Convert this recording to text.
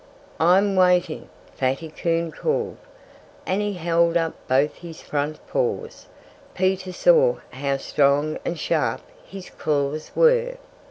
"I'm waiting!" Fatty Coon called. And he held up both his front paws. Peter saw how strong and sharp his claws were.